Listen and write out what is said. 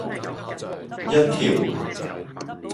一條